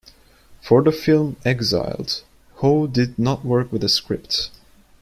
For the film "Exiled", Ho did not work with a script.